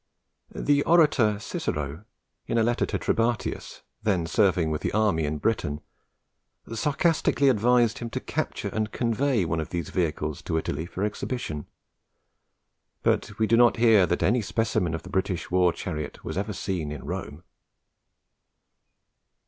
The orator Cicero, in a letter to Trebatius, then serving with the army in Britain, sarcastically advised him to capture and convey one of these vehicles to Italy for exhibition; but we do not hear that any specimen of the British war chariot was ever seen in Rome.